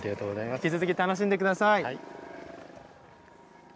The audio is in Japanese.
引き続き、楽しんでください。